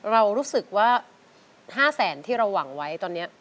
เรารู้สึกว่า๕แสนที่เราหวังไว้ตอนนี้